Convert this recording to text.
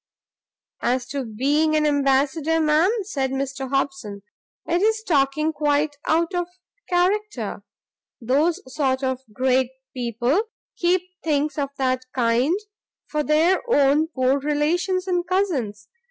"As to being an Ambassador, ma'am," said Mr Hobson, "it's talking quite out of character. Those sort of great people keep things of that kind for their own poor relations and cousins.